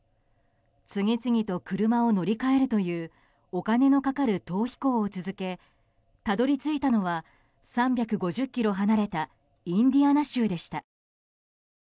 次々と車を乗り換えるというお金のかかる逃避行を続けたどり着いたのは３５０ｋｍ離れたインディアナ州でした。